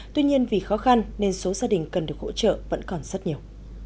tuy nhiên vì khó khăn nên số gia đình cần được hỗ trợ vẫn còn rất nhiều